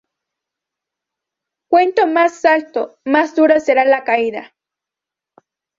Cuanto más alto, más dura será la caída